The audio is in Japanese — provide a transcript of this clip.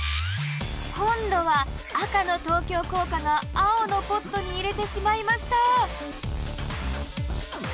今度は赤の東京工科が青のポットに入れてしまいました。